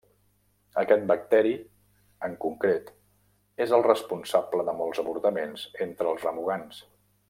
Aquest bacteri en concret és el responsable de molts avortaments entre els remugants.